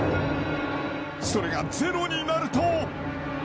［それがゼロになると］